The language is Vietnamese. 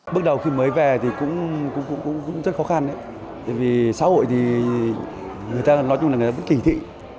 bước đầu khi mới về thì cũng rất khó khăn vì xã hội thì người ta nói chung là bất kỳ thị